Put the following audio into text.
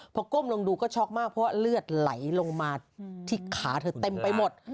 พอก้มลงดูก็ช็อกมากเพราะว่าเลือดไหลลงมาที่ขาเธอเต็มไปหมด